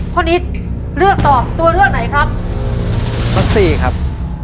นิดเลือกตอบตัวเลือกไหนครับข้อสี่ครับ